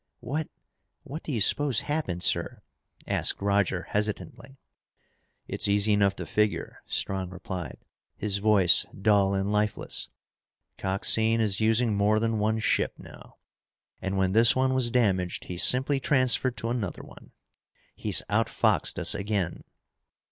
"What what do you suppose happened, sir?" asked Roger hesitantly. "It's easy enough to figure," Strong replied, his voice dull and lifeless. "Coxine is using more than one ship now. And when this one was damaged, he simply transferred to another one. He's outfoxed us again!"